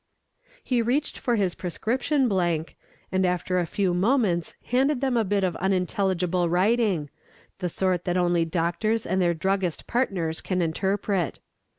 He reached for his prescription blank, and after a few moments handed them a bit of unintelligible writing the sort that only doctors and their druggist partners can interpret.